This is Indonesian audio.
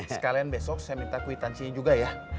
sekalian besok saya minta kwitansinya juga ya